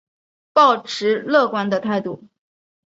抱持乐观的态度